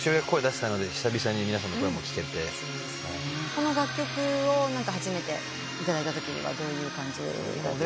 この楽曲を初めて頂いたときはどういう感じだったんですか？